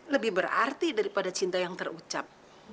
lebih berarti daripada cinta yang terucap